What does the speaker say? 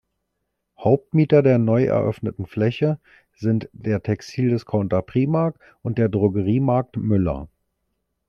Hauptmieter der neu eröffneten Fläche sind der Textil-Discounter Primark und der Drogeriemarkt Müller.